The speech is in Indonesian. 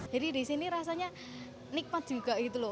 jadi di sini rasanya nikmat juga gitu loh